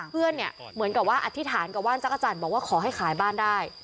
เพื่อนเนี่ยเหมือนกับว่าอธิษฐานกับว่านจักรจันทร์บอกว่าขอให้ขายบ้านได้